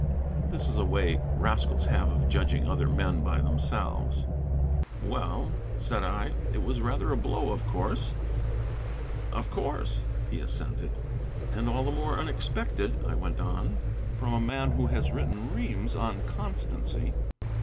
This is a way rascals have of judging other men by themselves. "Well;" said I, "it was rather a blow, of course." "Of course," he assented. "And all the more unexpected," I went on, "from a man who has written reams on constancy."